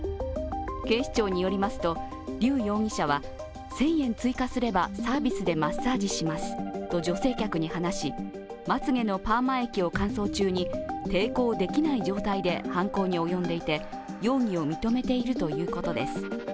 警視庁によりますと、劉容疑者は１０００円追加すればサービスでマッサージしますと女性客に話しまつげのパーマ液を乾燥中に抵抗できない状態で犯行に及んでいて、容疑を認めているということです。